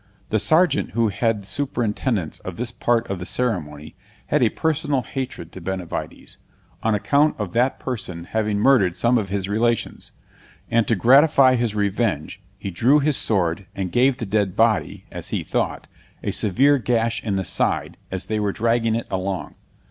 The serjeant who had the superintendence of this part of the ceremony, had a personal hatred to Benavides, on account of that person having murdered some of his relations; and, to gratify his revenge, he drew his sword, and gave the dead body, (as he thought,) a severe gash in the side, as they were dragging it along.